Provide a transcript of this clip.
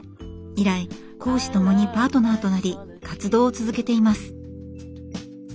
以来公私ともにパートナーとなり活動を続けています。